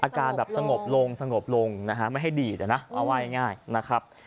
อาการแบบสงบลงนะฮะไม่ให้ดีแต่นะเอาไว้ง่ายนะครับ